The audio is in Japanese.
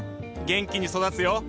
元気に育つよ。